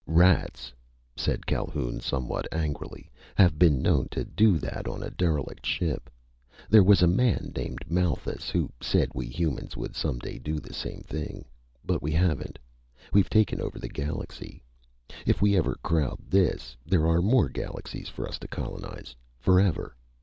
"Rats," said Calhoun somehow angrily, "have been known to do that on a derelict ship. There was a man named Malthus who said we humans would some day do the same thing. But we haven't. We've take over a galaxy. If we ever crowd this, there are more galaxies for us to colonize, forever!